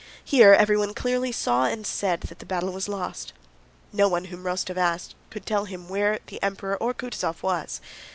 Here everyone clearly saw and said that the battle was lost. No one whom Rostóv asked could tell him where the Emperor or Kutúzov was.